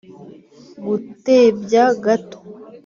gutebya gato